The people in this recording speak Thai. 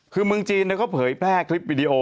คือเมืองจีนเขาเผยแพร่คลิปวิดีโอ